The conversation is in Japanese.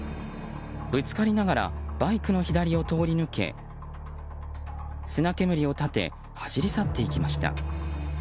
ぶつかりながらバイクの左を通り抜け砂煙を立て走り去っていきました。